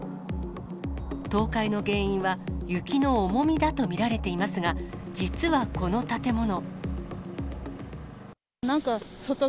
倒壊の原因は雪の重みだと見られていますが、実はこの建物。